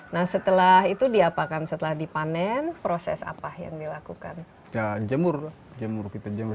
nah setelah itu diapakan setelah dipanen proses apa yang dilakukan jemur jemur kita jemur